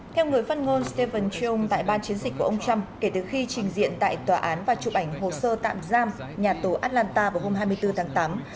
theo người phát ngôn stephen chung tại ban chiến dịch của ông trump kể từ khi trình diện tại tòa án và chụp ảnh hồ sơ tạm giam nhà tù atlanta vào hôm hai mươi bốn tháng tám